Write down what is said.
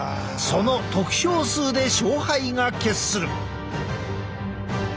その得票数で勝敗が決する。